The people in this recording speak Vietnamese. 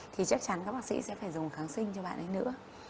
thì chắc chắn các bác sĩ sẽ phải dùng kháng sinh cho bạn ấy nữa